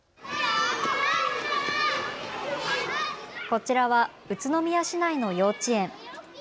こちらは宇都宮市内の幼稚園。